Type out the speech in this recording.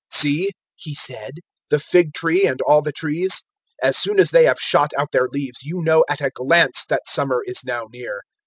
"See," He said, "the fig tree and all the trees. 021:030 As soon as they have shot out their leaves, you know at a glance that summer is now near.